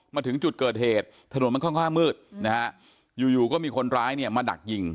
มาถึงจุดเกิดเหตุถนนมันค่อนข้างมืดนะฮะอยู่อยู่ก็มีคนร้ายเนี่ยมาดักยิง